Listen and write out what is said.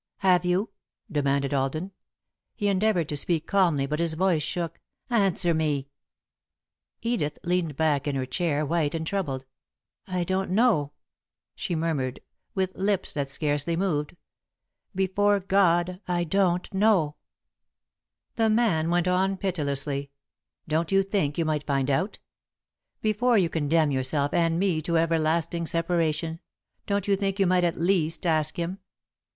"Have you?" demanded Alden. He endeavoured to speak calmly, but his voice shook. "Answer me!" Edith leaned back in her chair, white and troubled. "I don't know," she murmured, with lips that scarcely moved. "Before God, I don't know!" [Sidenote: Advantages of a Letter] The man went on pitilessly. "Don't you think you might find out? Before you condemn yourself and me to everlasting separation, don't you think you might at least ask him?"